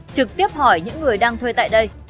trực tiếp hỏi những người đang thuê tại đây